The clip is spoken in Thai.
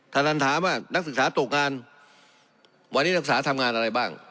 ท่านนั้นถามว่านักศึกษาตกงานวันนี้นักศึกษาทำงานอะไรบ้าง